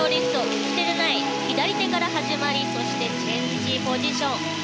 利き手でない左手から始まりそして、チェンジポジション。